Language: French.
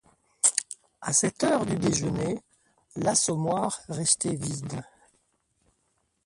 A cette heure du déjeuner, l'Assommoir restait vide.